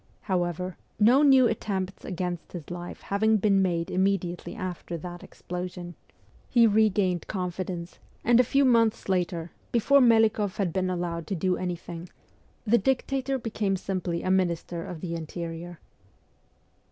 However, no new attempts against his life having been made immediately after that explosion, he VOL. II. B 242 MEMOIES OF A KEVOLUTIONIST regained confidence, and a few months later, before Melikoff had been allowed to do anything, the dic tator became simply a Minister of the Interior.